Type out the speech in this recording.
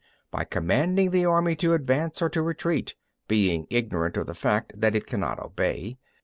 (1) By commanding the army to advance or to retreat, being ignorant of the fact that it cannot obey.